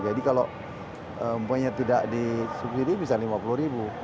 jadi kalau tidak disubsidi bisa rp lima puluh